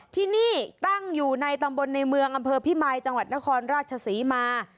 ที่นี่ตั้งอยู่ในตำบลในเมืองอำเภอพิมายจังหวัดนครราชศรีมา